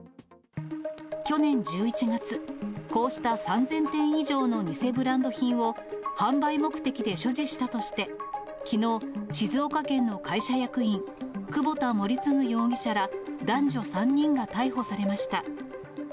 去年１１月、こうした３０００点以上の偽ブランド品を販売目的で所持したとして、きのう、静岡県の会社役員、久保田盛嗣容疑者ら男女３人が逮捕されました。